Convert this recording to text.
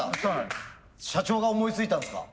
社長が思いついたんですか？